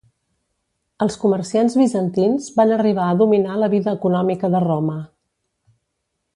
Els comerciants bizantins van arribar a dominar la vida econòmica de Roma.